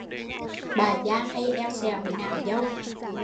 Bà gia hay eo xèo với nàng dâu